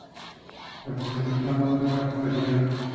Esta seria última novela en la que estaría.